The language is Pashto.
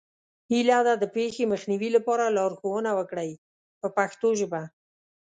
هیله ده د پېښې مخنیوي لپاره لارښوونه وکړئ په پښتو ژبه.